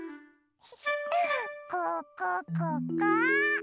ここここ！